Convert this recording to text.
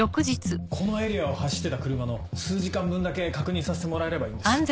このエリアを走ってた車の数時間分だけ確認させてもらえればいいんです。